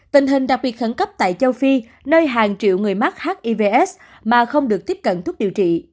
tình hình đặc biệt khẩn cấp tại châu phi nơi hàng triệu người mắc hivs mà không được tiếp cận thuốc điều trị